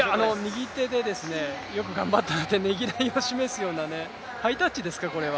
右手でよく頑張ったなってねぎらいを示すようなハイタッチですか、これは。